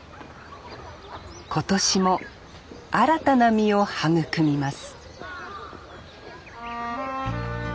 今年も新たな実を育みます